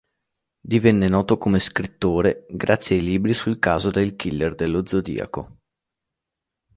Divenne noto come scrittore grazie ai libri sul caso del killer dello Zodiaco.